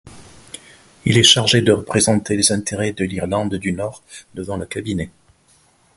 Il est chargé de représenter les intérêts de l'Irlande du Nord devant le Cabinet.